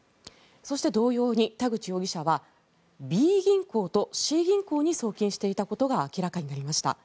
そして同様に田口容疑者はＢ銀行とＣ銀行に送金していたことが明らかになりました。